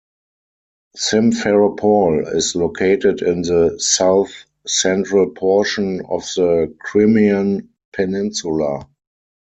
Simferopol is located in the south-central portion of the Crimean Peninsula.